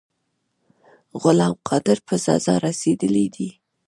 غلام قادر په سزا رسېدلی دی.